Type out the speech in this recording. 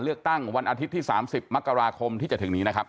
เลือกตั้งวันอาทิตย์ที่๓๐มกราคมที่จะถึงนี้นะครับ